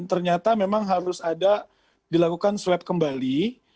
ternyata memang harus ada dilakukan swab kembali